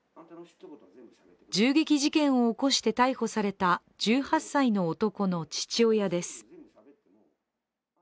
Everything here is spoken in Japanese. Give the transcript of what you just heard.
銃撃事件を起こして逮捕された１８歳の男の父親です。